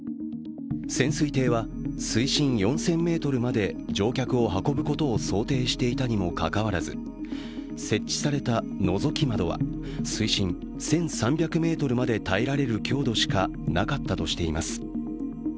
潜水艇は推進４０００ｍまで乗客を運ぶことを想定していたにもかかわらず設置されたのぞき窓は水深１３００ｍまで耐えられる強度しかなかったとしています。